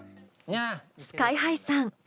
ＳＫＹ−ＨＩさん